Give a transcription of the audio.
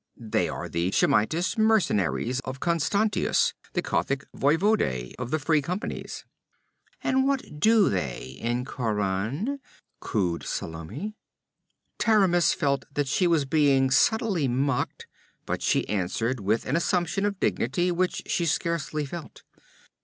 'They are the Shemitish mercenaries of Constantius, the Kothic voivode of the Free Companies.' 'And what do they in Khauran?' cooed Salome. Taramis felt that she was being subtly mocked, but she answered with an assumption of dignity which she scarcely felt.